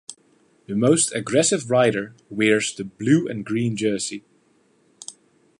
The Most Aggressive Rider wears the "Blue and Green Jersey".